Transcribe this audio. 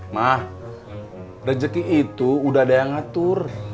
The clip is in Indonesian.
mah rezeki itu udah ada yang ngatur